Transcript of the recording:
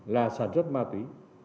là sản xuất ma túy